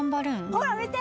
ほら見て！